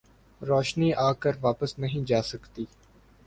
روشنی آکر واپس نہیں جاسکتی